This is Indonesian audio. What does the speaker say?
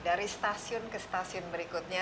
dari stasiun ke stasiun berikutnya